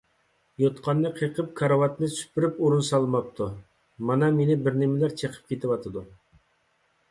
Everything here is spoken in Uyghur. يوتقاننى قېقىپ، كارىۋاتنى سۈپۈرۈپ ئورۇن سالماپتۇ، مانا مېنى بىرنېمىلەر چېقىپ كېتىۋاتىدۇ.